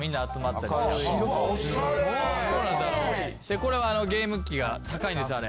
これはゲーム機が高いんですよあれ。